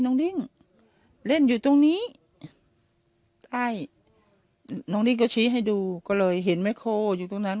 ดิ้งเล่นอยู่ตรงนี้ใช่น้องดิ้งก็ชี้ให้ดูก็เลยเห็นแม่โคอยู่ตรงนั้น